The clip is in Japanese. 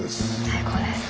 最高ですね。